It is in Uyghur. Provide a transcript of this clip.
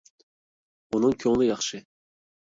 ئۇنىڭ كۆڭلى ياخشى.